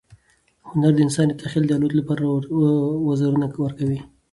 هنر د انسان د تخیل د الوت لپاره وزرونه ورکوي.